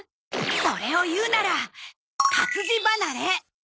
それをいうなら活字離れ。